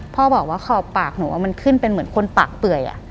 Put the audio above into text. พ่อบอกว่าขอบปากหนูมันขึ้นเป็นเหมือนคนปากเปื่อย